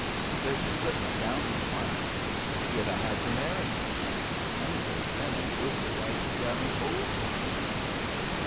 "He says you couldn't 'a' downed him onced. You'd 'a' had to marry him. Honey says Lin ain't worked it like he done in old times."